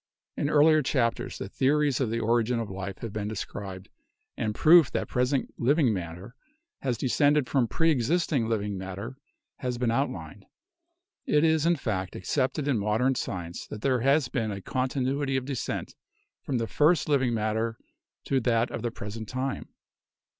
In earlier chapters the theories of the origin of life have been described and proof that present living matter has de scended from preexisting living matter has been outlined. It is, in fact, accepted in modern science that there has been a continuity of descent from the first living matter to that of the present time.